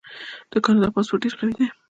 د کاناډا پاسپورت ډیر قوي دی.